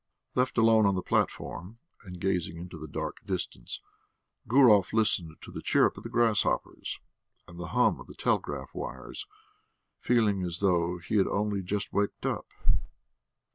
Left alone on the platform, and gazing into the dark distance, Gurov listened to the chirrup of the grasshoppers and the hum of the telegraph wires, feeling as though he had only just waked up.